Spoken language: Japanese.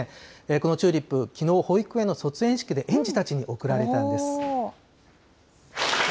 このチューリップ、きのう、保育園の卒園式で園児たちに贈られたんです。